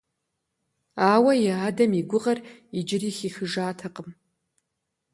Ауэ и адэм и гугъэр иджыри хихыжатэкъым.